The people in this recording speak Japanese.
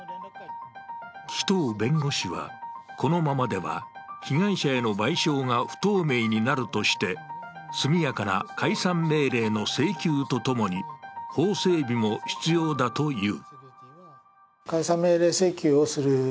紀藤弁護士は、このままでは被害者への賠償が不透明になるとして速やかな解散命令の請求とともに法整備も必要だという。